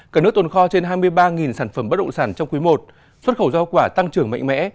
cả nước tồn kho trên hai mươi ba sản phẩm bất động sản trong quý i xuất khẩu giao quả tăng trưởng mạnh mẽ